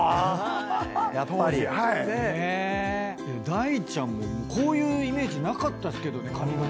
大ちゃんもこういうイメージなかったですけどね髪形とか。